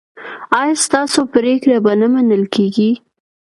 ایا ستاسو پریکړې به نه منل کیږي؟